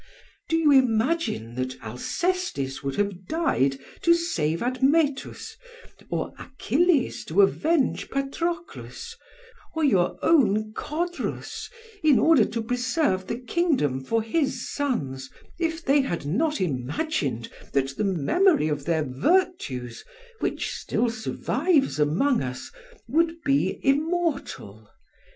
Do you imagine that Alcestis would have died to save Admetus, or Achilles to avenge Patroclus, or your own Codrus in order to preserve the kingdom for his sons, if they had not imagined that the memory of their virtues, which still survives among us, would be immortal?